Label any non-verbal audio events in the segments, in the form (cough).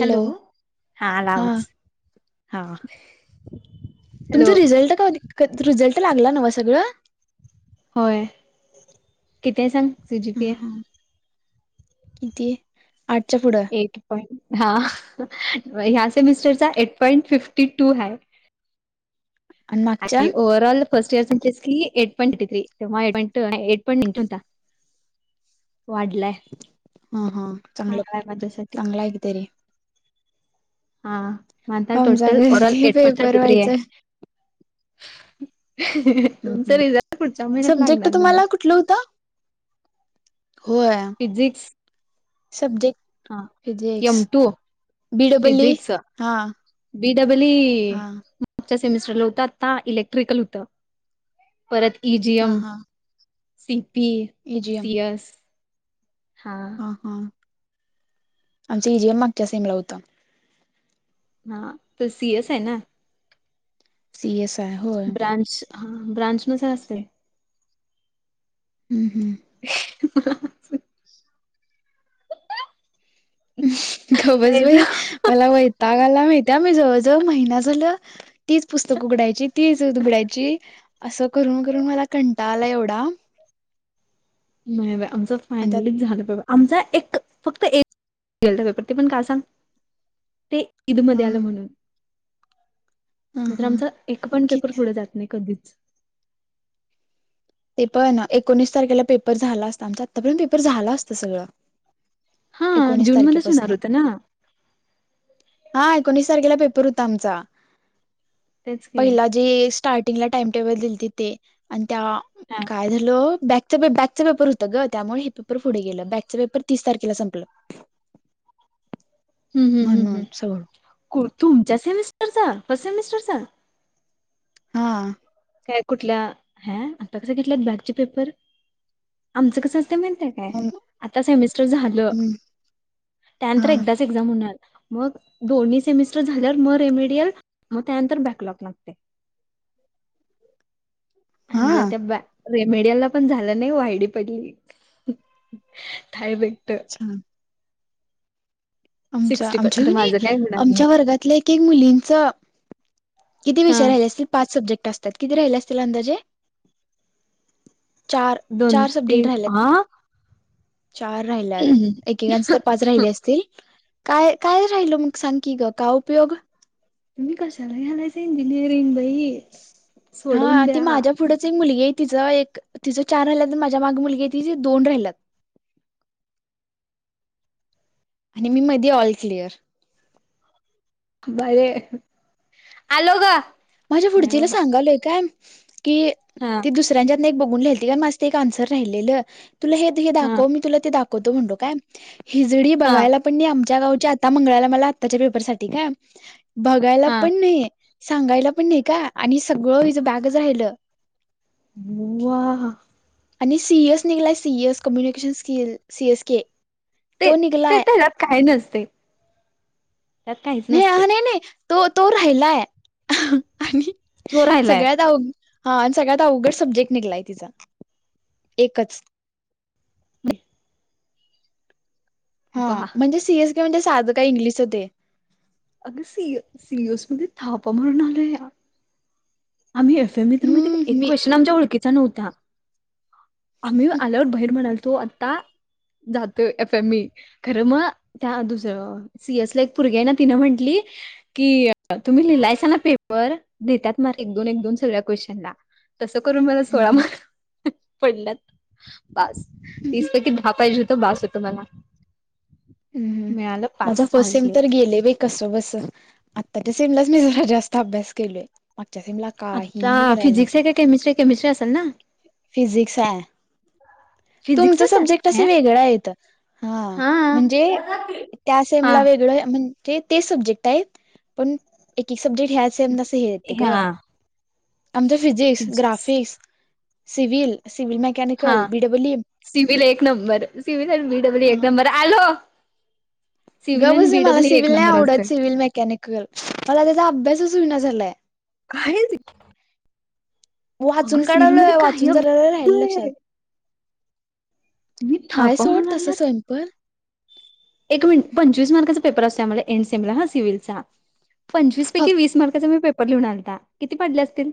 Hello हा आला आवाज हा हॅलो तुमच रिझल्ट कधी क रिझल्ट लागला नव्ह सगळं होय. किती ये साग तुझी ह (unintelligible) ह किती? आठच्या पुढं एट पॉईंट हा ह्या सेमिस्टरचा एट पॉइंट फिफ्टी टू हाय आणि ओवरऑल फर्स्ट इयरचा तेच कि ए पॉंट एथ्री ते ए पॉंईट (unintelligible) वाढलाय ह ह चांगलं चांगलाय माझ्यासाठी चांगला आहे की तरी हा म आता आमचा टोटल ओरल ते eight point paper thirty three ये. व्हायचा हम्म तुमच हम्म. रिझल्ट पुढच्या महिन्यात सब्जेक्ट लागणार म्हणजे तुम्हाला कुठलं होता होय फिजिक्स सबजेक्ट हा फिजिक्स एम टू बीडबल् हा बीडब्ल ए हा मागच्या सेमिस्टरला होतं आता इलेक्ट्रिकल होतं.. परत हा इजीएम हा सीपी एजीएम सीएस.... हा हा आमचा इ जीएम मागच्या सेमला होता.. हा तर सीयस आहे ना... सीएस आय होय.. ब्रांच हा ब्रांच नूसार असतय... हम्म हम्म. (inaudible) गबस बाई मला वैता. वैताग आला माहित्या मी जवळजवळ महिना झालं तीच पुस्तक उघडायची तीच उघडायची.... असं करून करून मला कंटाळा आलाय एवढा.... नाही बाई आमचं आणि त्यात फायनलीच झालं बाबा.. आमचा एक फक्त एक ते पण काय सांग ते ह मध्ये आलं म्हणून.... ह नाहीतर ह आमचा एक पण पेपर पुढे जात नाही कधीच.... ते पण ना एकोणीस तारखेला पेपर झाला असता आमच आत्तापर्यंत पेपर झाला असतं सगळं... हा एकोणीस जून मध्येच तारखेपासून होणार होत ना.... हा एकोणीस तारखेला पेपर होता आमचा तेच की पहिला हा जे स्टार्ट... जिला टाइम टेबल दिल ति ते आणि त्या काय झालं.... बॅकच बॅकचं पेपर होतं ग त्यामुळे हे पेपर पुढे गेलं बॅकच पेपर तीस तारखेला संपलं... (inaudible) हम् हम्म म्हणून ह् सगळं ह् तुमच्या सेमेस्टरचा फर्ट सेमिस्टरचा... हा.. काय कुठल्या ह आता कस घेतल्यात बॅकचे पेपर आमचं कस.... म्हण काय हा आता सेमिस्टर झालं त्यानंतर एकदाच एक्झाम होणार... मग दोन्ही सेमिस्टर झाल्या मग रेमेडल मग त्यानंतर बॅकलॉग लागते... (inaudible) आणि जर हा त्या बॅ... रेमेडियाला पण झालं नाही वा्हाईडी पडली य भ... अच्छा... आमच्या सिक्स्टी पण आमच्या खरं कनी माझं काय होणार आमच्या नाही वर्गातल्या एक एक मुलींच... किती हा विषय राहिले असतील पाच सब्जेक्ट... असत्यात किती राहल असतील अंदाजे.... चार दोन चार सब्जेक्ट तीन राहिल्यात... हा चार राहिल्यात तुम्ही एकेकांचे तर पाच राहिले असतील.. काय काय राहिल मग सांग की ग काय उपयोग... तुम्ही कशाला घ्यालायसा इंजिनिअरिंग.... बाई हा सोडवून ती द्या माझ्या पुढंच एक मुलगी आहे.. तिचं एक तिचं चार राहिल्यात माझ्या माग मुलगी तिज दोन राहिल्यात... (inaudible) आणि मी मध्ये ऑल क्लिअर... बरीय आलो ग... माझ्या नाही पुढचीला बाबा सांगालोय काय.... हा किती दुसऱ्यांच्यात एक बघून लिहालती माझ एक आन्सर राहिलेलं.. तुला हे हा दाखव मी तुला ते दाखवतो म्हणलो काय हिजडी हा बघायला पण नाही... त्या गावच्या आता मंगळाल्या मला आताच्या पेपर साठी काय बघायला हा पण नाही सांगायला... पण नाही का आणि सगळं हं बॅकच राहिलं वा आणि सीईएस निघलाय सीईएस कम्युनिकेशन स्किल सीएस के... ते तो ते निघलाय त्या त्यात काही नसते त्यात काहीच नाही नसते... हा नाही नाही तो तो राहिलाय आणि तो राहिलाय सगळ्यात अ... हा आणि सगळ्यात अवघड सब्जेक्ट निघलाय तिचा एकच ह (inaudible) हा म्हणजे सीएस केे म्हणजे साधं का इंग्लिशच ते अगं सी सीएस मध्ये थापा मारुन आलो या आम्ही एफमी तर म्हण हम्म मी एक क्वेशचन आमच्या ओळखीचा नव्हता आम्ही आल्यावर बाहेर म्हणालतो आता जात एफ एमई खरं मग त्या दुसरं सीएस ला एक पुरगे आहे ना तिनं म्हंटली की तुम्ही लिहिलाय ना पेपर देतात मार्क एक दोन एक दोन सगळ्या क्वेशन ला तसं करून मला हम्म सोळा हम्म मार्क पडल्यात बास तीस पैकी दहा पाहिजे होत बास होतो मला हम् मिळालं माझ pass first all sem clear तर गेले ब कस बस आताच्या सीमला मी जरा जास्त अभ्यास केलोय त्या सेमला आता काहीही करायला फिजिक्स नव्हतं आहे का केमिस्ट्री केमिस्ट्री असेल ना फिजिक्स आहे तुमचं फिजिक्सच सब्जेक्ट असं आहे वेगळं आहेत हा म्हणजे त्या सेम हा ला वेगळं म्हणजे ते सब्जेक्ट आहेत पण एक सब्जेक्ट ह्या सेम हा ग आमच फिजिक्स ग्राफिक्स सिविल हा सिवील एक नंबर सिवील बीडब्ल्यू एक नंबर आलो सिव्हल ग आणि बस मला बीडब्ल्यू एक सिव्हिल नाही नंबर आवडत असतय सिव्हिल मेकॅनिकल मला त्याचा अभ्यासच विना झालाय कायची वाचून काढवल काही वाचून अपडेट जरा जरा राहील लक्षात आहे. मी आहे थापा सोड मारून तसं आल्यात स्वयंपाक एक मिनिट पंचवीस मार्काचा पेपर असतो आमला एड सेमला हा सिव्हिलचा पंचवीस पैकी फक्त वीस मार्काचा मी पेपर लिहून आता किती पडले असतील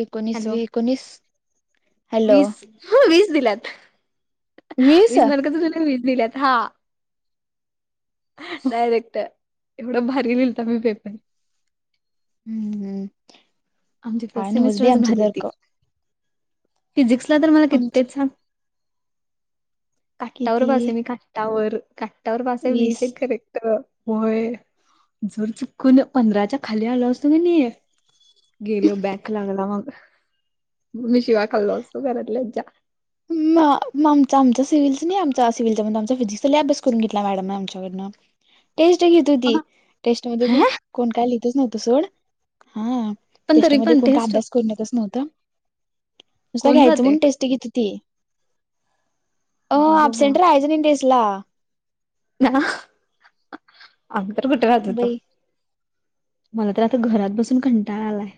एकोणीस वी हॅलो एकोणीस हॅलो वीस वीस दिल्यात वीस मार्काच लिहिलय वीस दिल्यात हा डायरेक्ट एवढं भारी लिहिलता मी पेपर हम्म हम्म आमची का फर्स्ट नवंच बाई सेमिस्टरच उगाच आमच्या भारी होती सारखं फिजिक्सला तर मला आमचे कित्येच सांग काट्टावर किती पास आहे मी काट्टावर काट्टावर पासाय वीस आहे करेक्ट होय जर चुकन पंधराच्या खाली आलो असतो कणी गेलो बॅक लागला मग मी शिवाय खाल्लो असतो घरातल्याच्या हम्म आम आमचा सिव्हल्लस नाही आम सिव्हिलचा आमचा फिजिक्स अभ्यास करून घेतला मॅडम आमच्याकडनं टेस्ट घेत होती टेस्ट मध्ये तर ह कोण काय लिहितच नव्हतं सोड हा पण तरी टेस्टमध्ये पण कोण काय टेस्ट अभ्यास करून येत नव्हतं नुसत कोण घ्यायचं जाते म्हनून टेस्ट घेती ती अ बाबा अब्सेंट राहायचं नाही टेस्ट टेस्ला ना आम्ही तर कुठे राहत होतो बाई मला तर आता घरात बसून कंटाळा आलाय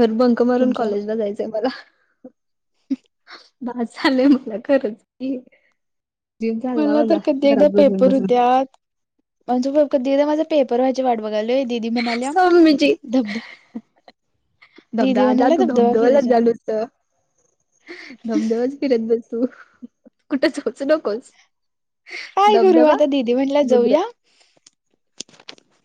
घर बंक मारून तुमचं कॉलेजला जायचंय मला बास झालंय मला खरंच की जीव चालला मला तर माझा कधी एकदा घरात बसून पेपर बसून होत्या म्हणज कधी एकदा माझा पेपर व्हायचे वाटत बघालोय दीदी म्हणाल्या सौम्यची धबध दिदी धबधबा म्हणाल्या तू धबधबा धबधवालाच फिरायचा झालूस धबधबा फिरत बस तू कुठे जाऊच नकोस काय करु धबधबा आता दिदी म्हटल्या समुद्र. जाऊया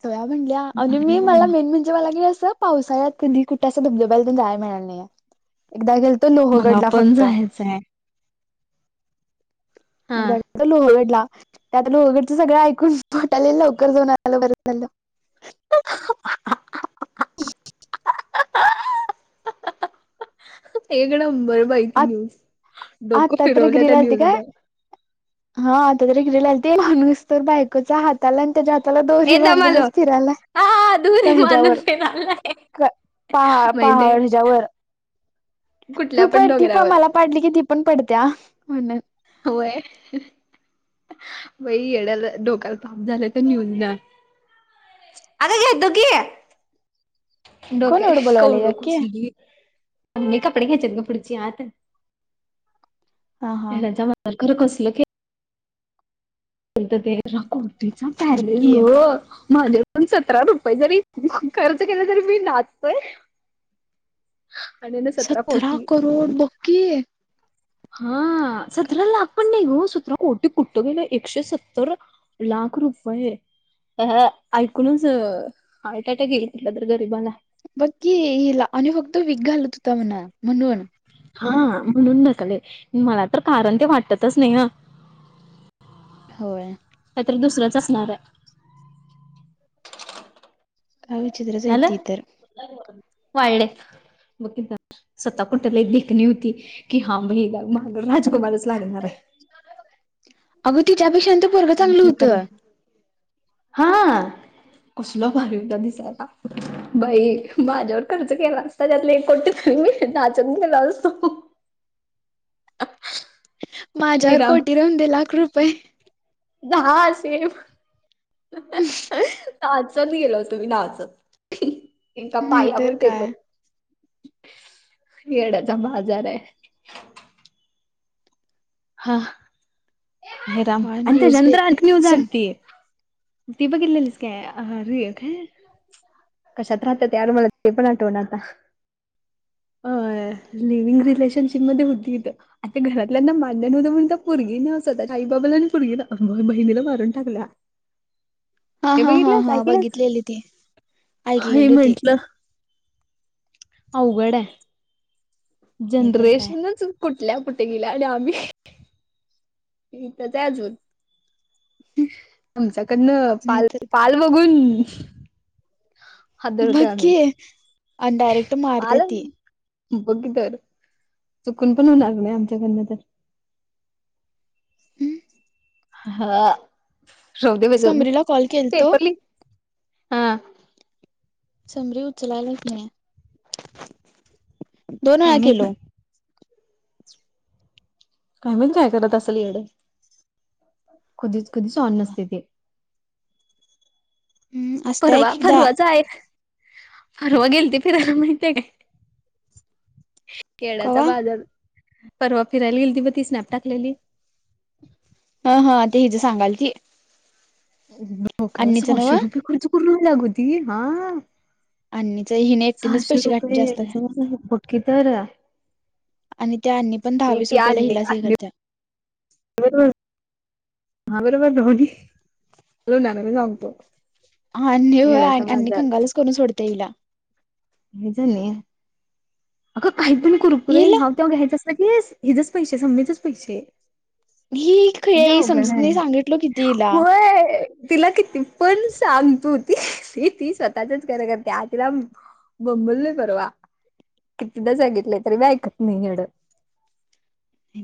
त्या म्हणल्या आणि अरे मी मला बाबा मेन म्हणजे मला गे अस पावसाळ्यात कधी कुठ अस धबधब्याला जाय मिळाणार नाही एकदा गेल्तो मला लोहगडला पण फक्त जायचंय. हा लोहगड ला त्यातलं लोहगड सगळं ऐकून वाटायला लवकर जाऊन आलो बर झालं हा, हा, हा उफ ड बर बाहिती आ न्यूज डोक आता तरी फिरवल्या त्या गिरीला आलती काय न्यूजला हा आता तरी गिलेले ते माणूस तर बायकोचा हाताला आणि त्याच्या हाताला दोरी बांधूनच फिरायला हा हा दूरी बांधून फिरायलयं पहा पहा हच्यावर तू कुठल्या पड ती पण डोंगरावर मला पाडली की ती पण पडत्या म्हणून होय वई येड्याला डोकाल काप झालंय तर न्यून ना अता घ येतो की कोण डोके एवढं बोलवाले का कौडो की कुसली कपडे कच पुच आता हा हा म खरं कसलं क तर तेरा कुर्तीचा पॅलेल बक्की ग माझेून सतरा रुपये जरी खर्च केला तरी मी नाचतोय आणि ना सतरा कोटी करोड बकी हा सतला हापण सतरा कोटी कठट गेलं एकशे सत्तर लाख रुपये अ ऐकूनच आयटाट गेईल कुठलं तर गरीबाला बक्की हला आणि फक्त वीक घालत होता म्हणा म्हणून हा म्हणून डकले मला तर कारण ते वाटततच नाही ह होय का तर दुसरंच असणार आहे कावीचित्रचहित इ तरर वाले मग कि स्वतः पण त्याला एक खणी होती की हा म मागड राजकुमारच लागणार आहे अगं तिच्यापेक्षांत परगं आहे चांगलं ढकल होतं (unintelligible) कसुला भारवता दिसायला बाई माझ्यावर खर्च केला असता त्यातले एक कोटी मी नाचत गेलो असतो (unintelligible) (unintelligible) हे माझ्यावर कोटी राहून दे लाख रुपये दहा अस असे च गेलो होतो मी नाच इका नाहीतर पाययावरडते प काय खेड्याचा बाजार आहे हा राम काय आणि नव्हच बाई त्याच्यांत्र आण नूज सम त ती बघितलेलीस काय ह रूय काय कशात राहत यावर मला ते पण आठवण आता ह अ लिव्हंग रिलेशनशिप मध्ये होती आता घरातल्यांना मान नव्हतं म्हण तर पोरगी न आई बाबाला आणि पुरगे ना मग बहिणीला मारून टाकला हा हे हा हा बघितलंस हा ऐकलंच बघितलेली ती हे ऐकलेली होती म्हंटलं अ उघड नाहीतर काय जनरेशनच कुठल्या कुठे गेल्या आणि आम्ही ह तर त्या अजून आमच्याकडनं पाल नाहीतर काय पाल बघून बग हादरतोय आम्ही. कीय अन डयरेक्ट मारत्या पाल ती बघ तर चुकून पण होणार नाही आमच्याकडन तर हम्म हा राहू दे जाऊ दे समरीला कॉल केलतो पेपरली हा! समरी उचलायलच नाय दोन काय वेळा माहिती केलो काय माहित करत असल येडं, कधीच, कधीच, ऑन नसत ते हम्म असत्या परवा एक एकदा फरवा चा एक फरवा गेलते फिरायला महीतीय काय केड्याचा कवा बाजार परवा फिरायला गेलती म ती स्नॅप टाकलेली हं ती हीज सांगायलती हो का सहाशे रुपये खर्च करून लागती हा अन्नीच हिने एकटीनेच सहाशे पैसे घातले रुपये जास्त याजाचं फकी तर (unintelligible) आणि त्या अनी पण ती दहावीस रुपयाला इलास हे करत्या हं आली बग डोली तुला नान ला सांगतो अन्नी (unintelligible) होय येडाचा अन्नी बाजार कंगालच करून सोडत्या हिला हेजणी अग काही पण कुरकुरे हिला हा तो घ्यायच अस कधीस हीजच पैसे समणीच पैसे ही खुळी जाऊ गण समजत हय नाही सांगितलो किती हिला होय तिला किती पण सांग तु ती ती स्वतःचच खर करत्या तीलाम बोबलेय परवा कितीदा सांगीतलय तरी बी ऐकत नाही ऐड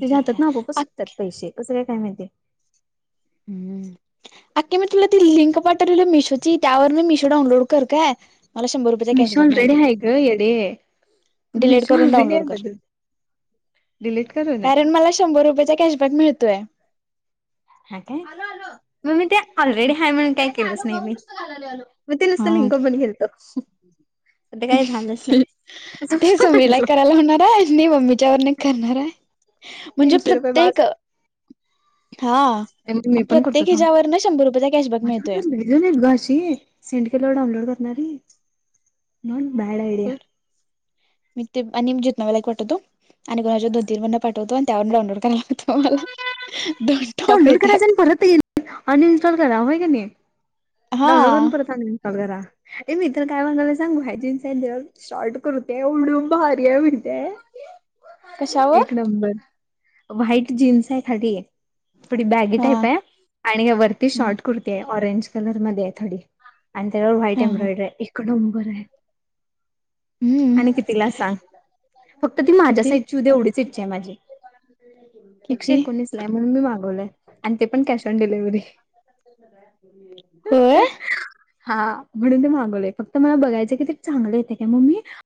तीज्या काय हातातान गोपच आ सुटत्यात कसे काय माहितेय हम अक्के मी तुला ती लिंक पाठवलं मीशोत. ती त्या वरन मिशो डाऊनलोड कर काय मला शंभर रुपयचा मिशो कॅशबॅक ऑलरेडी मिळतय, आहे ग येडे डिलीट मिशो करून ऑलरेडी डाउनलोड आहे कर. माझं डिलीट करू ना कारण मला शंभर रुपयाचा कॅशबॅक मिळतोय. हा काय मग मी ते ऑलरेडी हाय म्हणून काय केलंच नाही मी. म ते नुसतं हा लिंक मधी नेलत (inaudible) ते समीला म्हटलो करायला होणार आहे आणि मम्मीच्या वरने करणार आहे. म्हणजे तीनशे रुपये प्रत्येक माझं हा! मी पण करतो प्रत्येक थांब ह्याच्यावरन शंभर रुपयाचा कॅशबॅक मिळतोय. माझ्याकडे लईजन हायत घे अशी सेंड केल्यावं डाउनलोड करणारी. नन कर मी ते आणिजीत नव्या ला एक पाठवतो आणि कुणाच्या दोन तीन वरण पाठवतो आणि त्या वरन डाउनलोड करायला लावतो माला डाऊनलोड करायचा आणि परत ये अनइन्स्टॉल करा व्हयं की नही. हा डाऊनलोड वरून परत अनइन्स्टॉल करा ऐ मी तर काय म्हणायलेय सांग भाय जीन्स हाय आणि त्यावर शॉर्ट कुर्ती हाय येवड भारी आहे म्हण कशावर एक नंबर व्हाईट जीन्स आहे खाली हे थोडी बॅगी हा टाईप आहे, आणि या वरती हा शॉर्ट कुर्ती आहे, ऑरेंज कलर मध्ये आहे थोडी आणि त्याच्यावर व्हाईट हा हा एम्ब्रॉइडर एकनंबर आहे हम्म कितीला सांग? फक्त ती माझ्या किती साइजची येऊ दे एवढीच इच्छा आहे माझी एकशे किती एकोणीस ला आहे म्हणून मी माग आणि ते पण कॅश ऑन डिलिवरी होय! हा म्हणून ते मागवलेय फक्त मला बघायचं की ते चांगले येते का मम मी